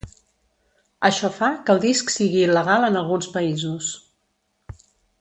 Això fa que el disc sigui il·legal en alguns països.